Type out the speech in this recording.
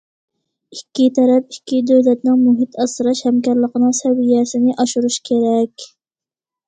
ئىككى تەرەپ ئىككى دۆلەتنىڭ مۇھىت ئاسراش ھەمكارلىقىنىڭ سەۋىيەسىنى ئاشۇرۇشى كېرەك.